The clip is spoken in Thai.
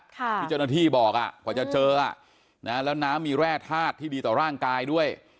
ที่เจ้าหน้าที่บอกกว่าจะเจอแล้วน้ำมีแร่ธาตุที่ดีต่อร่างกายด้วย